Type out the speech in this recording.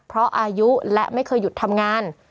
เพราะอายุและไม่เคยหยุดทำงาน